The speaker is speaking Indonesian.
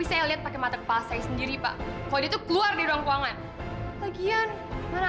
sampai jumpa di video selanjutnya